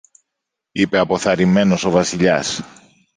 είπε αποθαρρυμένος ο Βασιλιάς.